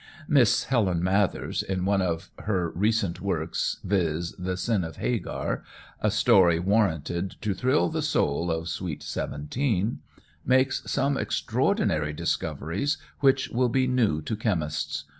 Miss Helen Mathers, in one of her recent works, viz., "The Sin of Hagar," a story warranted to thrill the soul of "Sweet Seventeen," makes some extraordinary discoveries which will be new to chemists.